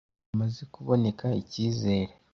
mu gihe hamaze kuboneka icyizere